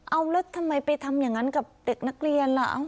เอาแล้วทำไมไปทำอย่างนั้นกับเด็กนักเรียนล่ะ